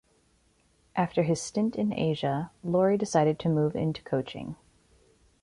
After his stint in Asia, Laurie decided to move into coaching.